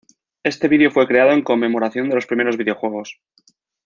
Este video fue creado en conmemoración de los primeros videojuegos.